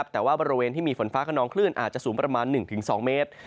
แต่ว่าบริเวณที่มีฝนฟ้าขนองคลื่นอาจจะสูงประมาณ๑๒เมตร